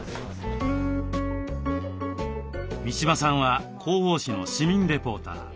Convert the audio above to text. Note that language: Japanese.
三嶋さんは広報誌の市民レポーター。